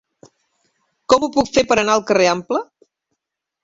Com ho puc fer per anar al carrer Ample?